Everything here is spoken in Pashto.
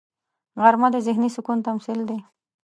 غرمه د ذهني سکون تمثیل دی